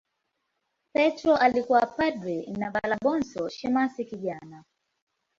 Petro alikuwa padri na Valabonso shemasi kijana.